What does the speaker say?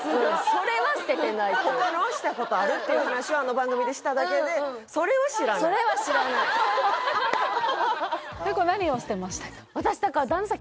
「それは捨ててない！」って言う他のはしたことあるっていう話をあの番組でしただけでそれは知らないとそれは知らない私だから旦那さん